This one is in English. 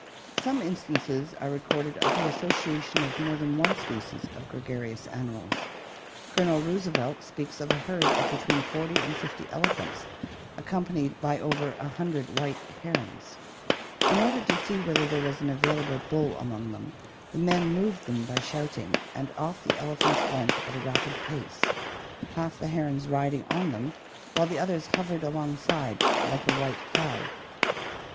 Some instances are recorded of the association of more than one species of gregarious animals. Colonel Roosevelt speaks of a herd of between forty and fifty elephants, accompanied by over a hundred white herons. In order to see whether there was an available bull among them, the men moved them by shouting, and off the elephants went at a rapid pace, half the herons riding on them while the others hovered alongside, like a white cloud.